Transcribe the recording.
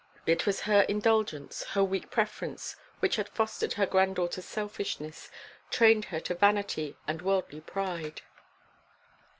It was her indulgence, her weak preference which had fostered her granddaughter's selfishness, trained her to vanity and worldly pride.